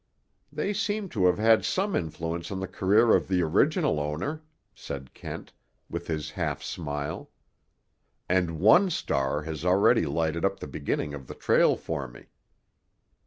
"They seem to have had some influence on the career of the original owner," said Kent, with his half smile. "And one star has already lighted up the beginning of the trail for me."